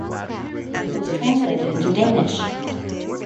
It was translated into Danish.